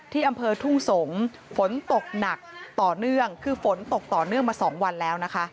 อำเภอทุ่งสงศ์ฝนตกหนักต่อเนื่องคือฝนตกต่อเนื่องมา๒วันแล้วนะคะ